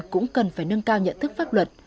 cũng cần phải nâng cao nhận thức pháp luật